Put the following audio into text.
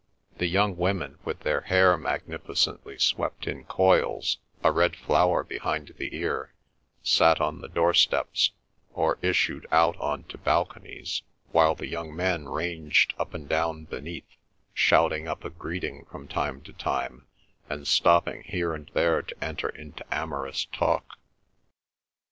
The young women, with their hair magnificently swept in coils, a red flower behind the ear, sat on the doorsteps, or issued out on to balconies, while the young men ranged up and down beneath, shouting up a greeting from time to time and stopping here and there to enter into amorous talk.